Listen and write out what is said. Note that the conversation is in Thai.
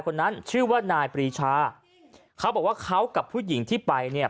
คนนั้นชื่อว่านายปรีชาเขาบอกว่าเขากับผู้หญิงที่ไปเนี่ย